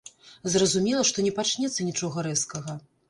Зразумела, што не пачнецца нічога рэзкага.